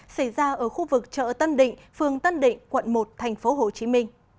xảy ra ở khu vực chợ tân định phường tân định quận một tp hcm